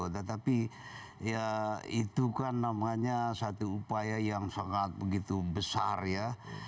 tetapi ya itu kan namanya satu upaya yang sangat begitu besar ya